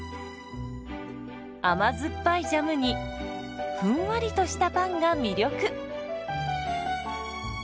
甘酸っぱいジャムにふんわりとしたパンが魅力。